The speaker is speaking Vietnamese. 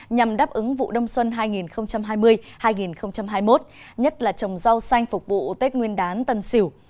nhằm đáp ứng vụ đông xuân hai nghìn hai mươi hai nghìn hai mươi một nhất là trồng rau xanh phục vụ tết nguyên đán tân sỉu